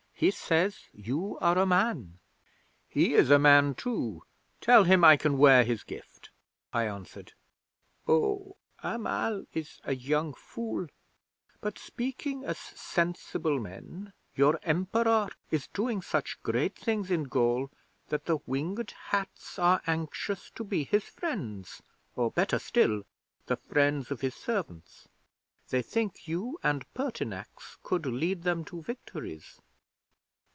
He says you are a Man." '"He is a Man, too. Tell him I can wear his gift," I answered. '"Oh, Amal is a young fool; but, speaking as sensible men, your Emperor is doing such great things in Gaul that the Winged Hats are anxious to be his friends, or, better still, the friends of his servants. They think you and Pertinax could lead them to victories."